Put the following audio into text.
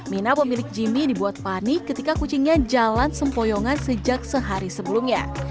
mina pemilik jimmy dibuat panik ketika kucingnya jalan sempoyongan sejak sehari sebelumnya